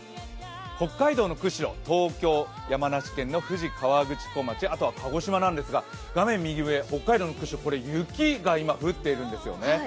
北海道の釧路、東京、山梨県の富士河口湖町、あとは鹿児島なんですが、画面右上北海道の釧路、これ、雪が今、降っているんですね。